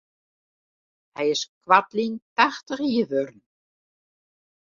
Hy is koartlyn tachtich jier wurden.